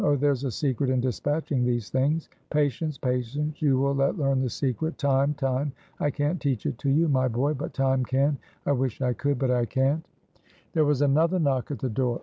Oh, there's a secret in dispatching these things; patience! patience! you will yet learn the secret. Time! time! I can't teach it to you, my boy, but Time can: I wish I could, but I can't." There was another knock at the door.